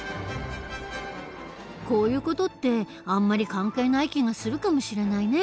こういう事ってあんまり関係ない気がするかもしれないね。